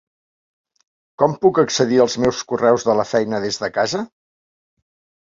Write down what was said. Com puc accedir als meus correus de la feina des de casa?